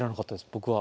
僕は。